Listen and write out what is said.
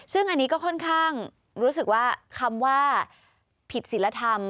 ซึ่งอันนี้ก็ค่อนข้างรู้สึกว่าคำว่าผิดศิลธรรม